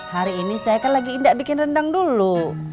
hari ini saya kan lagi indah bikin rendang dulu